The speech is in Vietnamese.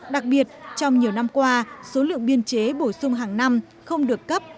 đặc biệt trong nhiều năm qua số lượng biên chế bổ sung hàng năm không được cấp